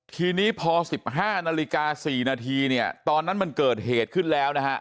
ทีนี้พอ๑๕นาฬิกา๔นาทีเนี่ยตอนนั้นมันเกิดเหตุขึ้นแล้วนะฮะ